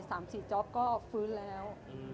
สามสี่จ๊อปก็ฟื้นแล้ว